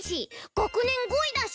学年５位だし！